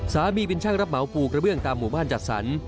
เป็นช่างรับเหมาปูกระเบื้องตามหมู่บ้านจัดสรร